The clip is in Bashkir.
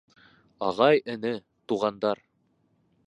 — Ағай-эне, туғандар!